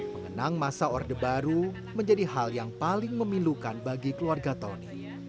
mengenang masa orde baru menjadi hal yang paling memilukan bagi keluarga tony